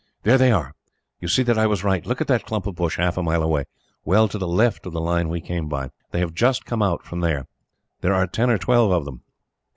"There they are. You see that I was right. Look at that clump of bush, half a mile away, well to the left of the line we came by. They have just come out from there. There are ten or twelve of them."